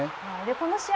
この試合